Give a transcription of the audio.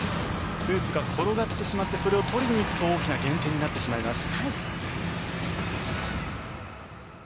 フープが転がってしまってそれを取りに行くと大きな減点になってしまいます。